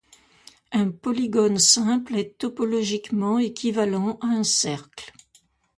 Un polygone simple est topologiquement équivalent à un cercle.